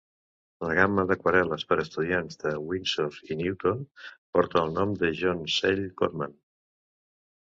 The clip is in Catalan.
La gamma d'aquarel·les per a estudiants de Winsor i Newton porta el nom de John Sell Cotman.